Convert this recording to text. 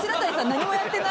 「何もやってない！」